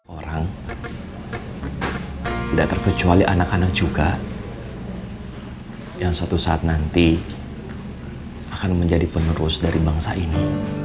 orang tidak terkecuali anak anak juga yang suatu saat nanti akan menjadi penerus dari bangsa ini